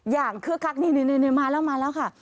อย่างเครือคักนี่มาแล้วค่ะ